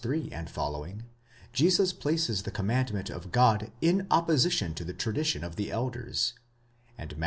3 ff, Jesus places the command ment of God in opposition to the tradition of the elders, and Matt.